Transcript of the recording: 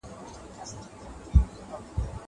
زه مخکي بازار ته تللی و.